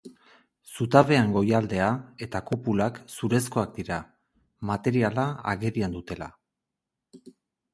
Zutabeen goialdea eta kupulak zurezkoak dira, materiala agerian dutela.